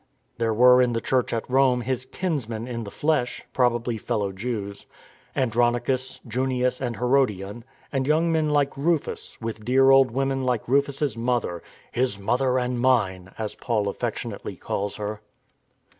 There were in the Church at Rome his " kinsmen " in the flesh, probably fellow Jews, An dronicus, Junias, and Herodion; and young men Hke Rufus, with dear old women like Rufus' mother —" his mother and mine," as Paul affectionately calls her.